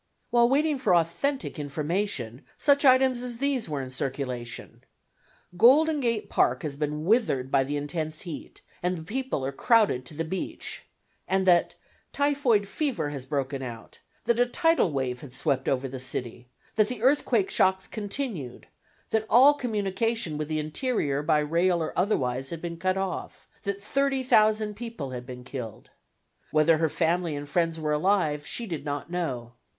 While waiting for authentic information, such items as these were in circulation: "Golden Gate Park has been withered by the intense heat, and people are crowded to the beach," and that "Typhoid fever has broken out"; that a tidal wave had swept over the city; that the earthquake shocks continued; that all communication with the interior by rail or otherwise had been cut off; that thirty thousand people had been killed. Whether her family and friends were alive she did not know.